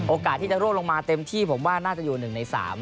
โอกาสที่จะร่วงลงมาเต็มที่ผมว่าน่าจะอยู่๑ใน๓